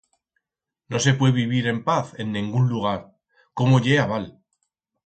No se pue vivir en paz en nengún lugar, cómo ye a val!